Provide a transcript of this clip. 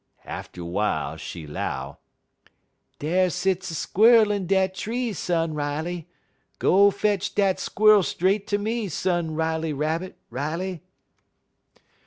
Atter w'ile she 'low: "'Dar sets a squer'l in dat tree, Son Riley; go fetch dat squer'l straight ter me, Son Riley Rabbit, Riley.'